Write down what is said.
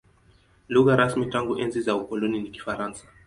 Lugha rasmi tangu enzi za ukoloni ni Kifaransa.